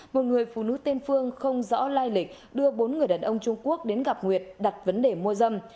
một người phụ nữ tên phương không rõ lai lịch đưa bốn người đàn ông trung quốc đến gặp nguyệt đặt vấn đề mua dâm